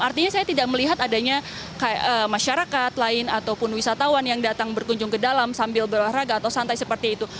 artinya saya tidak melihat adanya masyarakat lain ataupun wisatawan yang datang berkunjung ke dalam sambil berolahraga atau santai seperti itu